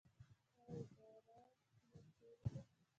ایا ادرار مو سور دی؟